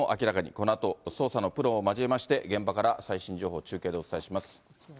このあと、捜査のプロを交えまして、現場から最新情報、中継でお伝えします。